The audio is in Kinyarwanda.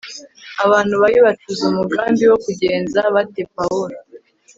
abantu babi bacuze umugambi wo kugenza bate pawulo